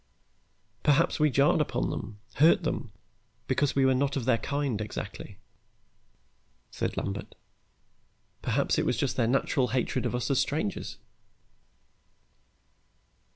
"Perhaps we jarred upon them, hurt them, because we were not of their kind exactly," said Lambert. "Perhaps it was just their natural hatred of us as strangers."